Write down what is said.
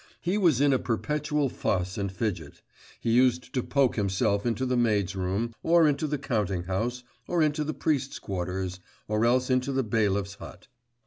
He was in a perpetual fuss and fidget; he used to poke himself into the maids' room, or into the counting house, or into the priest's quarters, or else into the bailiff's hut.